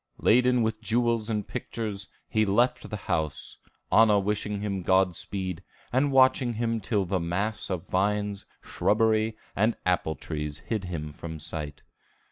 Laden with jewels and pictures, he left the house, Anna wishing him Godspeed, and watching him till the mass of vines, shrubbery, and apple trees hid him from sight.